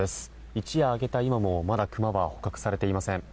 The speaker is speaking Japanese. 一夜明けた今もまだクマは捕獲されていません。